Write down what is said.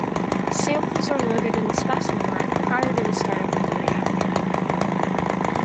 Samples are loaded in the specimen rack prior to the start-up of the reactor.